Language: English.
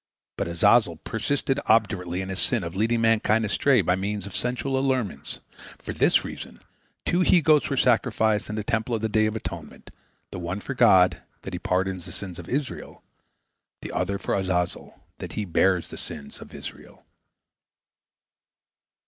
But Azazel persisted obdurately in his sin of leading mankind astray by means of sensual allurements. For this reason two he goats were sacrificed in the Temple on the Day of Atonement, the one for God, that He pardon the sins of Israel, the other for Azazel, that he bear the sins of Israel.